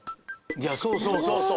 いやそうそうそうそう。